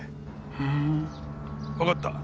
ふんわかった。